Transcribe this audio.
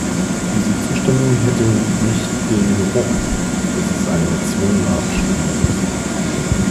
Diese Zustimmung hätte nicht den Geruch, dass es eine erzwungene Abstimmung ist.